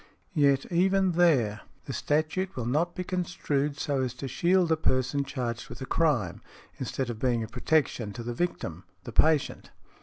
Yet, even there, the statute will not be construed so as to shield a person charged with a crime, instead of being a protection to the victim, the patient .